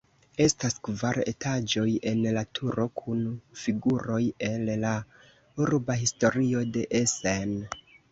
Estas kvar etaĝoj en la turo kun figuroj el la urba historio de Essen.